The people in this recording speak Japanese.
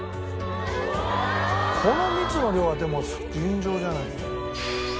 この蜜の量はでも尋常じゃないね。